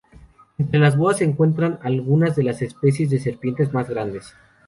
Entre las boas se encuentran algunas de las especies de serpientes más grandes.